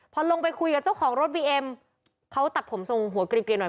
พอลงไปคุยกับเจ้าของรถบีเอ็มเขาตัดผมทรงหัวเกลียนหน่อย